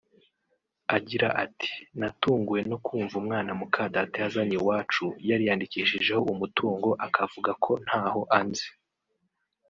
Agira ati "Natunguwe no kumva umwana mukadata yazanye iwacu yariyandikishijeho umutungo akavuga ko ntaho anzi